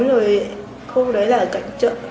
rồi khu đấy là ở cạnh chợ